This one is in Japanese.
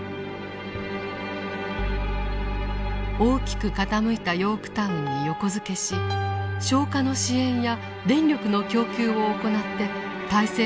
大きく傾いた「ヨークタウン」に横付けし消火の支援や電力の供給を行って態勢の立て直しを図りました。